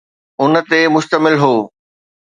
ان تي مشتمل هو